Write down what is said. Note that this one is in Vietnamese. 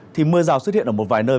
thì mưa rào xuất hiện ở một vài nơi